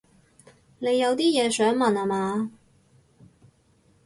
你有啲嘢想問吖嘛